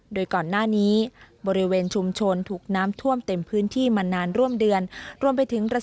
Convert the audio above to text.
โดยก่อนหน้านี้บริเวณชุมชนถูกน้ำท่วมเต็มพื้นที่มานานร่วมเดือนรวมไปถึงระ